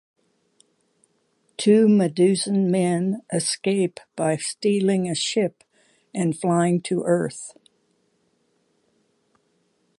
Two Medusan men escape by stealing a ship and flying to Earth.